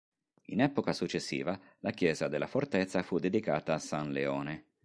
In epoca successiva la chiesa della fortezza fu dedicata a san Leone.